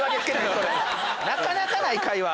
それなかなかない会話。